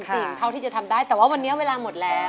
จริงเท่าที่จะทำได้แต่ว่าวันนี้เวลาหมดแล้ว